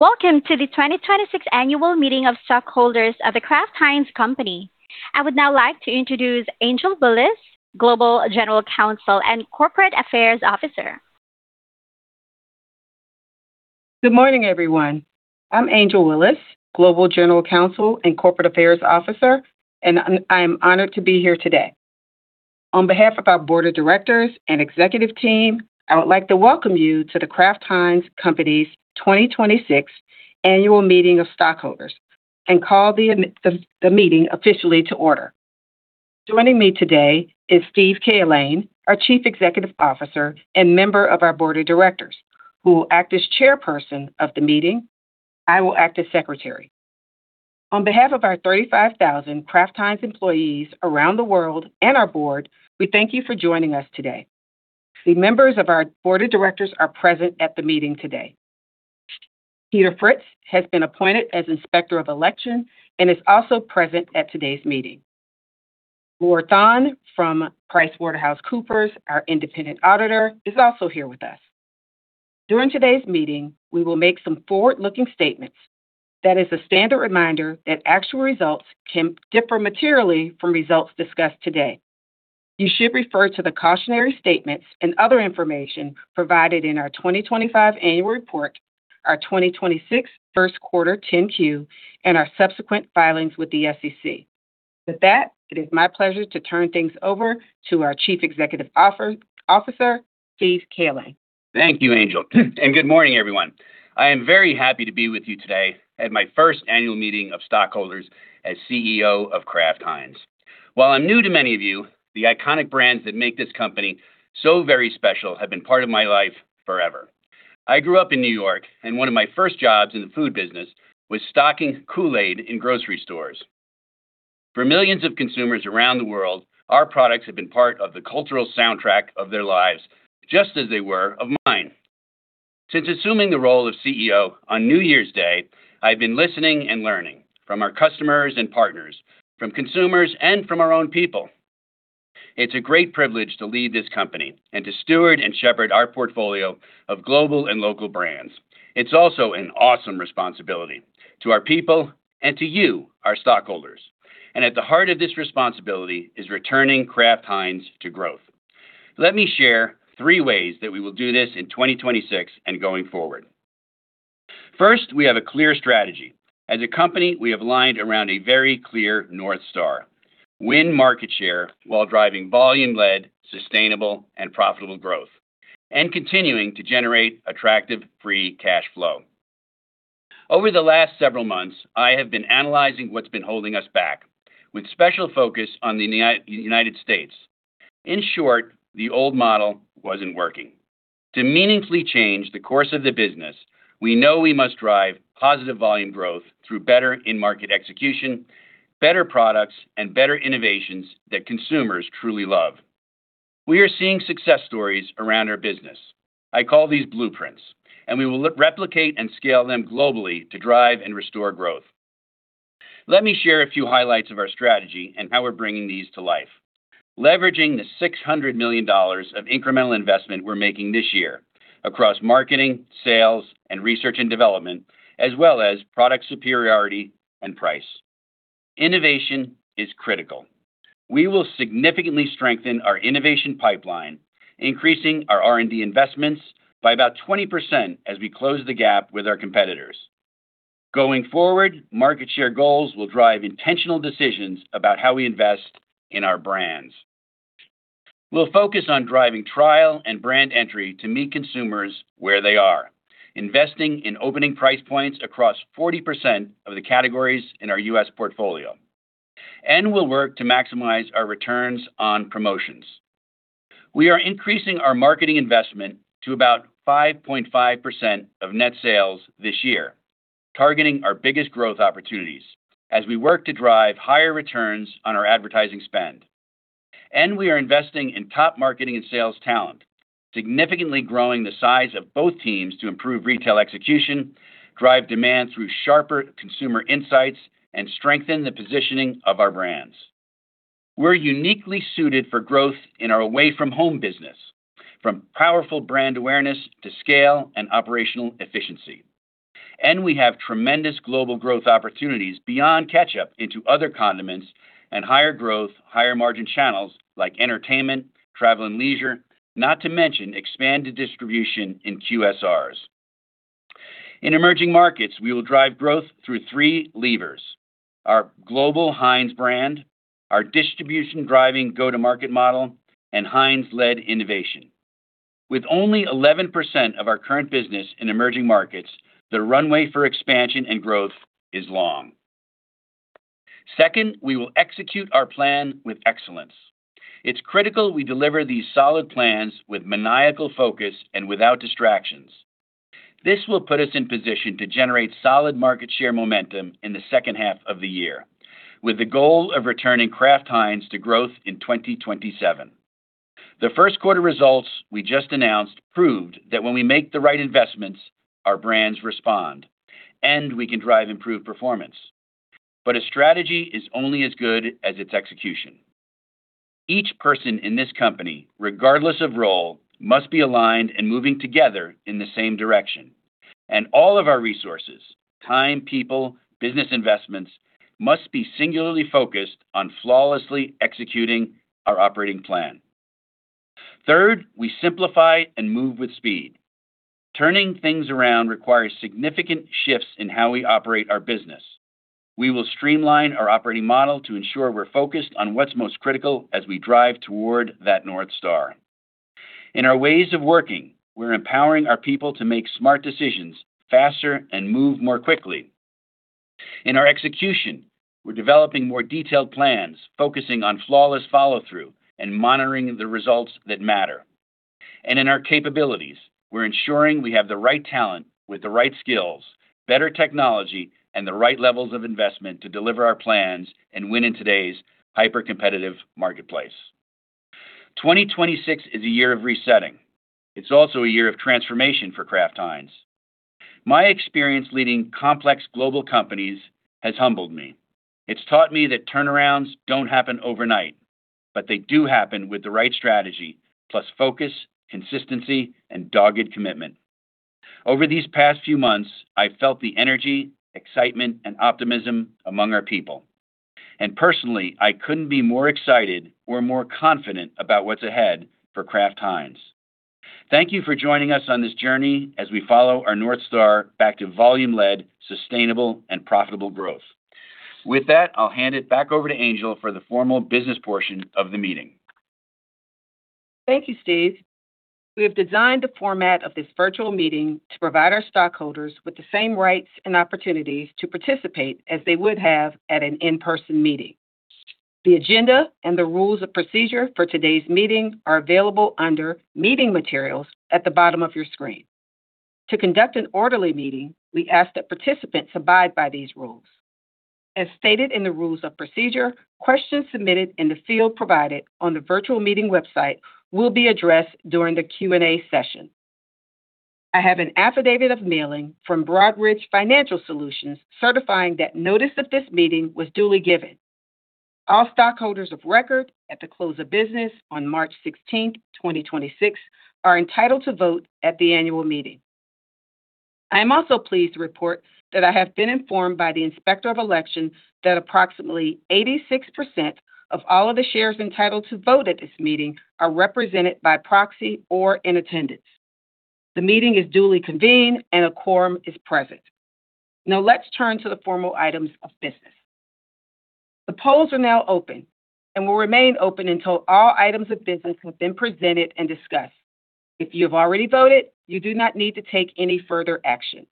Welcome to the 2026 annual meeting of stockholders of The Kraft Heinz Company. I would now like to introduce Angel Willis, Global General Counsel and Corporate Affairs Officer. Good morning, everyone. I'm Angel Willis, Global General Counsel and Corporate Affairs Officer, I am honored to be here today. On behalf of our board of directors and executive team, I would like to welcome you to The Kraft Heinz Company's 2026 annual meeting of stockholders and call the meeting officially to order. Joining me today is Steve Cahillane, our Chief Executive Officer and member of our board of directors, who will act as chairperson of the meeting. I will act as secretary. On behalf of our 35,000 Kraft Heinz employees around the world and our board, we thank you for joining us today. The members of our board of directors are present at the meeting today. Peter Fritz has been appointed as Inspector of Election and is also present at today's meeting. Laura Thonn from PricewaterhouseCoopers, our independent auditor, is also here with us. During today's meeting, we will make some forward-looking statements. That is the standard reminder that actual results can differ materially from results discussed today. You should refer to the cautionary statements and other information provided in our 2025 annual report, our 2026 first quarter 10-Q, and our subsequent filings with the SEC. It is my pleasure to turn things over to our Chief Executive Officer, Steve Cahillane. Thank you, Angel, and good morning, everyone. I am very happy to be with you today at my first annual meeting of stockholders as CEO of Kraft Heinz. While I'm new to many of you, the iconic brands that make this company so very special have been part of my life forever. I grew up in New York, and one of my first jobs in the food business was stocking Kool-Aid in grocery stores. For millions of consumers around the world, our products have been part of the cultural soundtrack of their lives just as they were of mine. Since assuming the role of CEO on New Year's Day, I've been listening and learning from our customers and partners, from consumers, and from our own people. It's a great privilege to lead this company and to steward and shepherd our portfolio of global and local brands. It's also an awesome responsibility to our people and to you, our stockholders. At the heart of this responsibility is returning Kraft Heinz to growth. Let me share three ways that we will do this in 2026 and going forward. First, we have a clear strategy. As a company, we have aligned around a very clear North Star: win market share while driving volume-led, sustainable, and profitable growth and continuing to generate attractive free cash flow. Over the last several months, I have been analyzing what's been holding us back with special focus on the United States. In short, the old model wasn't working. To meaningfully change the course of the business, we know we must drive positive volume growth through better in-market execution, better products, and better innovations that consumers truly love. We are seeing success stories around our business. I call these blueprints, and we will replicate and scale them globally to drive and restore growth. Let me share a few highlights of our strategy and how we're bringing these to life. Leveraging the $600 million of incremental investment we're making this year across marketing, sales, and R&D, as well as product superiority and price. Innovation is critical. We will significantly strengthen our innovation pipeline, increasing our R&D investments by about 20% as we close the gap with our competitors. Going forward, market share goals will drive intentional decisions about how we invest in our brands. We'll focus on driving trial and brand entry to meet consumers where they are, investing in opening price points across 40% of the categories in our U.S. portfolio, and we'll work to maximize our returns on promotions. We are increasing our marketing investment to about 5.5% of net sales this year, targeting our biggest growth opportunities as we work to drive higher returns on our advertising spend. We are investing in top marketing and sales talent, significantly growing the size of both teams to improve retail execution, drive demand through sharper consumer insights, and strengthen the positioning of our brands. We're uniquely suited for growth in our away-from-home business, from powerful brand awareness to scale and operational efficiency. We have tremendous global growth opportunities beyond ketchup into other condiments and higher growth, higher margin channels like entertainment, travel and leisure, not to mention expanded distribution in QSRs. In emerging markets, we will drive growth through three levers: our global Heinz brand, our distribution-driving go-to-market model, and Heinz-led innovation. With only 11% of our current business in emerging markets, the runway for expansion and growth is long. Second, we will execute our plan with excellence. It's critical we deliver these solid plans with maniacal focus and without distractions. This will put us in position to generate solid market share momentum in the second half of the year, with the goal of returning Kraft Heinz to growth in 2027. The first quarter results we just announced proved that when we make the right investments, our brands respond, and we can drive improved performance. A strategy is only as good as its execution. Each person in this company, regardless of role, must be aligned and moving together in the same direction. All of our resources, time, people, business investments, must be singularly focused on flawlessly executing our operating plan. Third, we simplify and move with speed. Turning things around requires significant shifts in how we operate our business. We will streamline our operating model to ensure we're focused on what's most critical as we drive toward that North Star. In our ways of working, we're empowering our people to make smart decisions faster and move more quickly. In our execution, we're developing more detailed plans, focusing on flawless follow-through and monitoring the results that matter. In our capabilities, we're ensuring we have the right talent with the right skills, better technology, and the right levels of investment to deliver our plans and win in today's hyper-competitive marketplace. 2026 is a year of resetting. It's also a year of transformation for Kraft Heinz. My experience leading complex global companies has humbled me. It's taught me that turnarounds don't happen overnight, but they do happen with the right strategy, plus focus, consistency, and dogged commitment. Over these past few months, I've felt the energy, excitement, and optimism among our people. Personally, I couldn't be more excited or more confident about what's ahead for Kraft Heinz. Thank you for joining us on this journey as we follow our North Star back to volume-led, sustainable, and profitable growth. With that, I'll hand it back over to Angel for the formal business portion of the meeting. Thank you, Steve. We have designed the format of this virtual meeting to provide our stockholders with the same rights and opportunities to participate as they would have at an in-person meeting. The agenda and the rules of procedure for today's meeting are available under Meeting Materials at the bottom of your screen. To conduct an orderly meeting, we ask that participants abide by these rules. As stated in the rules of procedure, questions submitted in the field provided on the virtual meeting website will be addressed during the Q&A session. I have an affidavit of mailing from Broadridge Financial Solutions certifying that notice of this meeting was duly given. All stockholders of record at the close of business on March 16th, 2026 are entitled to vote at the annual meeting. I am also pleased to report that I have been informed by the Inspector of Elections that approximately 86% of all of the shares entitled to vote at this meeting are represented by proxy or in attendance. The meeting is duly convened and a quorum is present. Now let's turn to the formal items of business. The polls are now open and will remain open until all items of business have been presented and discussed. If you have already voted, you do not need to take any further action.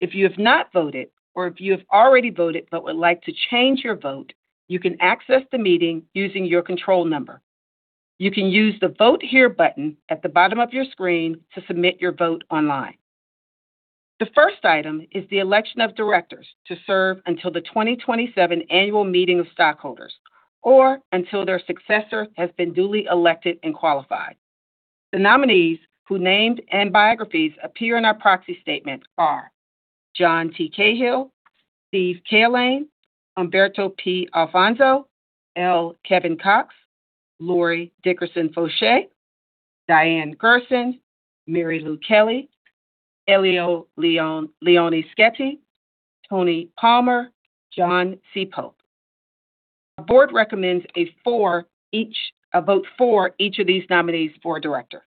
If you have not voted, or if you have already voted but would like to change your vote, you can access the meeting using your control number. You can use the Vote Here button at the bottom of your screen to submit your vote online. The first item is the election of directors to serve until the 2027 annual meeting of stockholders or until their successor has been duly elected and qualified. The nominees whose names and biographies appear in our proxy statement are John T. Cahill, Steve Cahillane, Humberto P. Alfonso, L. Kevin Cox, Lori Dickerson Fouché, Diane Gherson, Mary Lou Kelley, Elio Leoni Sceti, Tony Palmer, John C. Pope. Our board recommends a vote for each of these nominees for director.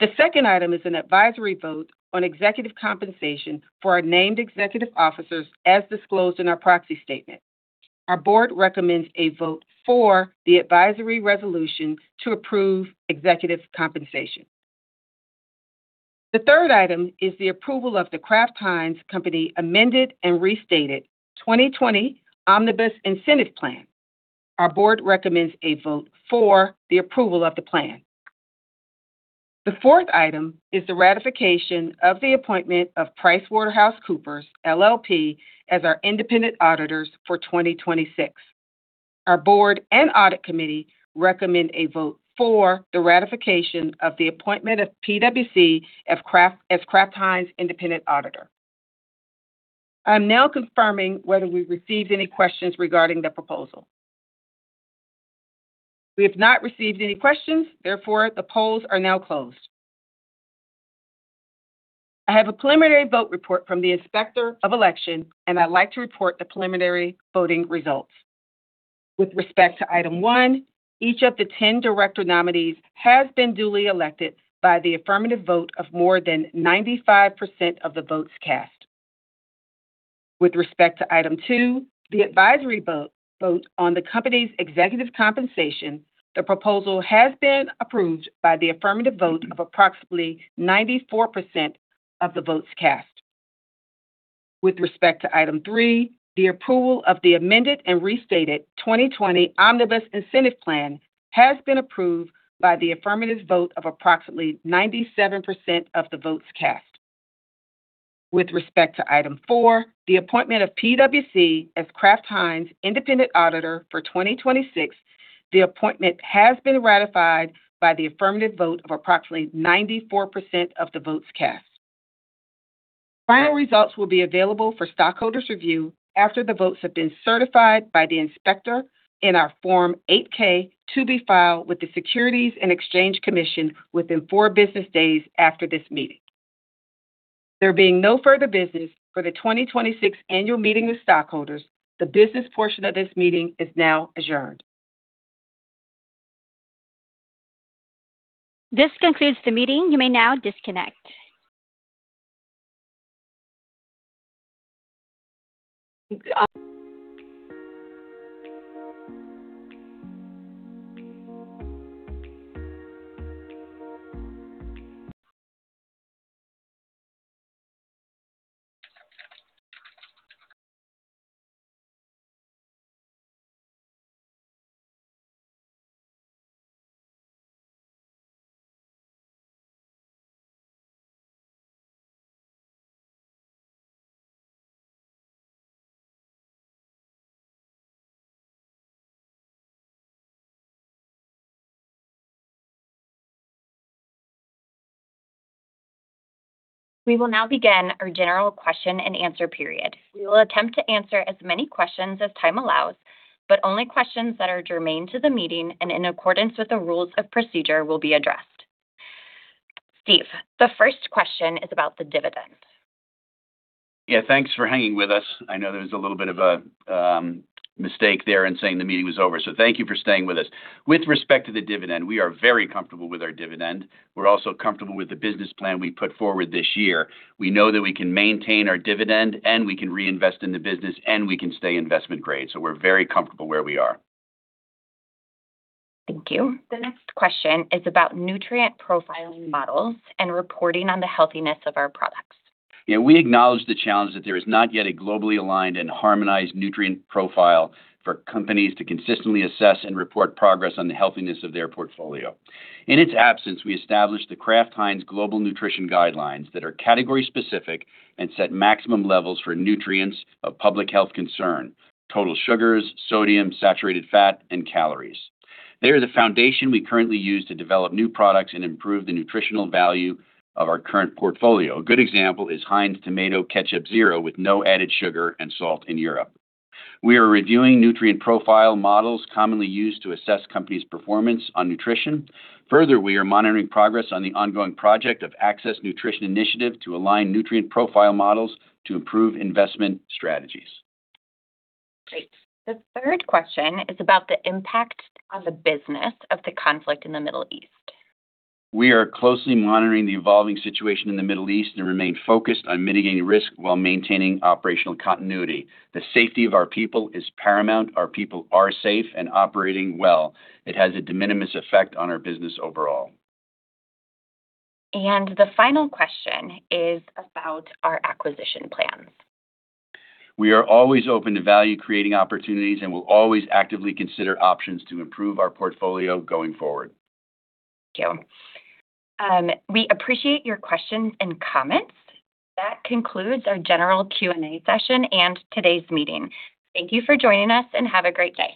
The second item is an advisory vote on executive compensation for our named executive officers as disclosed in our proxy statement. Our board recommends a vote for the advisory resolution to approve executive compensation. The third item is the approval of The Kraft Heinz Company Amended and Restated 2020 Omnibus Incentive Plan. Our board recommends a vote for the approval of the plan. The fourth item is the ratification of the appointment of PricewaterhouseCoopers LLP as our independent auditors for 2026. Our board and audit committee recommend a vote for the ratification of the appointment of PwC as Kraft Heinz independent auditor. I am now confirming whether we received any questions regarding the proposal. We have not received any questions, therefore, the polls are now closed. I have a preliminary vote report from the Inspector of Election, and I'd like to report the preliminary voting results. With respect to item 1, each of the 10 director nominees has been duly elected by the affirmative vote of more than 95% of the votes cast. With respect to item two, the advisory vote on the company's executive compensation, the proposal has been approved by the affirmative vote of approximately 94% of the votes cast. With respect to item three, the approval of the Amended and Restated 2020 Omnibus Incentive Plan has been approved by the affirmative vote of approximately 97% of the votes cast. With respect to item four, the appointment of PwC as Kraft Heinz independent auditor for 2026, the appointment has been ratified by the affirmative vote of approximately 94% of the votes cast. Final results will be available for stockholders review after the votes have been certified by the inspector in our Form 8-K to be filed with the Securities and Exchange Commission within four business days after this meeting. There being no further business for the 2026 annual meeting of stockholders, the business portion of this meeting is now adjourned. This concludes the meeting. You may now disconnect. We will now begin our general question and answer period. We will attempt to answer as many questions as time allows, but only questions that are germane to the meeting and in accordance with the rules of procedure will be addressed. Steve, the first question is about the dividend. Thanks for hanging with us. I know there was a little bit of a mistake there in saying the meeting was over, thank you for staying with us. With respect to the dividend, we are very comfortable with our dividend. We're also comfortable with the business plan we put forward this year. We know that we can maintain our dividend, and we can reinvest in the business, and we can stay investment grade. We're very comfortable where we are. Thank you. The next question is about nutrient profiling models and reporting on the healthiness of our products. Yeah, we acknowledge the challenge that there is not yet a globally aligned and harmonized nutrient profile for companies to consistently assess and report progress on the healthiness of their portfolio. In its absence, we established the Kraft Heinz Global Nutrition Guidelines that are category specific and set maximum levels for nutrients of public health concern: total sugars, sodium, saturated fat, and calories. They are the foundation we currently use to develop new products and improve the nutritional value of our current portfolio. A good example is Heinz Tomato Ketchup Zero with no added sugar and salt in Europe. We are reviewing nutrient profile models commonly used to assess companies' performance on nutrition. Further, we are monitoring progress on the ongoing project of Access to Nutrition Initiative to align nutrient profile models to improve investment strategies. Great. The third question is about the impact on the business of the conflict in the Middle East. We are closely monitoring the evolving situation in the Middle East and remain focused on mitigating risk while maintaining operational continuity. The safety of our people is paramount. Our people are safe and operating well. It has a de minimis effect on our business overall. The final question is about our acquisition plans. We are always open to value creating opportunities, and we'll always actively consider options to improve our portfolio going forward. Thank you. We appreciate your questions and comments. That concludes our general Q&A session and today's meeting. Thank you for joining us, and have a great day.